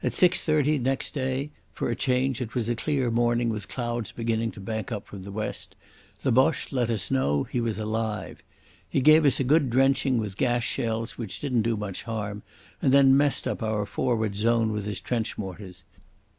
30 next day—for a change it was a clear morning with clouds beginning to bank up from the west—the Boche let us know he was alive. He gave us a good drenching with gas shells which didn't do much harm, and then messed up our forward zone with his trench mortars. At 7.